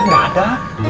kayaknya gak ada